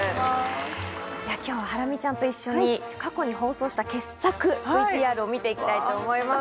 今日ハラミちゃんと一緒に過去に放送した傑作ＶＴＲを見て行きたいと思います。